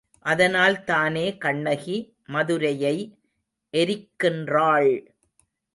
அதனால்தானே கண்ணகி மதுரையை எரிக்கின்றாள்!